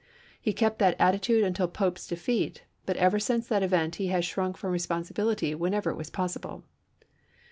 He kept that attitude until Pope's defeat, but ever since that event he has shrunk from responsibility whenever it was possible."